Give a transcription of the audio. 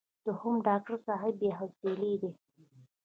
دوهم: ډاکټر صاحب بې حوصلې دی.